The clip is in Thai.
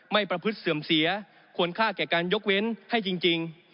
ประพฤติเสื่อมเสียควรค่าแก่การยกเว้นให้จริง